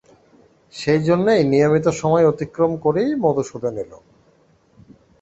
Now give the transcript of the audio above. সেইজন্যেই নিয়মিত সময় অতিক্রম করেই মধুসূদন এল।